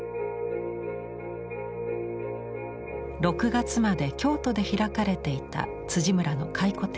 ６月まで京都で開かれていた村の回顧展。